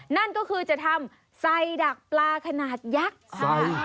นั่นก็คือจะทำใส่ดักปลาขนาดยักษ์ค่ะ